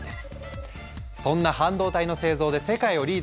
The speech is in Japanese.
そんな半導体の製造で世界をリードするのが台湾。